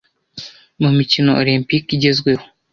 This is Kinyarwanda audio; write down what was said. Mu mikino Olempike igezweho